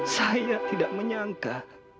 saya tidak menyangka